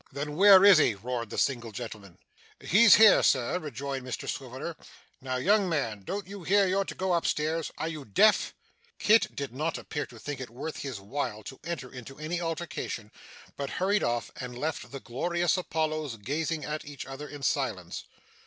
'Then where is he?' roared the single gentleman. 'He's here, sir,' rejoined Mr Swiveller. 'Now young man, don't you hear you're to go up stairs? Are you deaf?' Kit did not appear to think it worth his while to enter into any altercation, but hurried off and left the Glorious Apollos gazing at each other in silence.